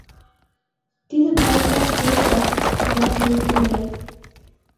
— Тидым палемдаш кӱлешак! — шомакым лукто Ондре.